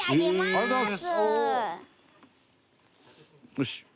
よし。